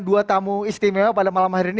dua tamu istimewa pada malam hari ini